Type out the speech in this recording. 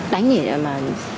đánh để mà